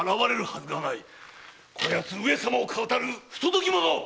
こやつ上様を騙る不届き者だ！